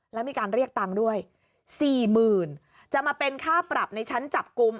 แล้วมีการเรียกตังค์ด้วย๔๐๐๐จะมาเป็นค่าปรับในชั้นจับกลุ่ม